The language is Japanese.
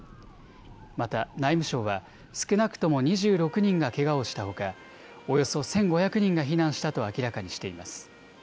また内務省は少なくとも２６人がけがをしたほか、およそ１５００人が避難したと明らかにしています。